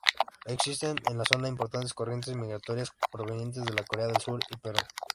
Existen en la zona importantes corrientes migratorias provenientes de Corea del Sur y Perú.